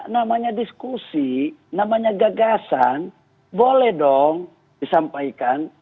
namanya diskusi namanya gagasan boleh dong disampaikan